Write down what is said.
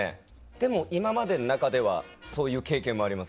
でも今までの中ではそういう経験もあります。